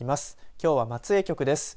きょうは松江局です。